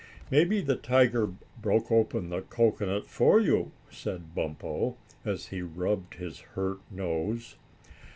"Maybe the tiger broke open the cocoanut for you," said Bumpo, as he rubbed his hurt nose.